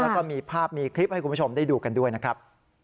แล้วก็มีภาพมีคลิปให้คุณผู้ชมได้ดูกันด้วยนะครับ